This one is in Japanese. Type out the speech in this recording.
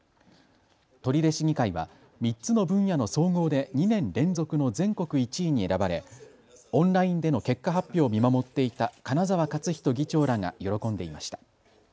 取手市議会は３つの分野の総合で２年連続の全国１位に選ばれオンラインでの結果発表を見守っていた金澤克仁議長らが喜んでいました。